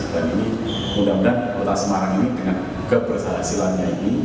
dan ini mudah mudahan kota semarang ini dengan keberhasilannya ini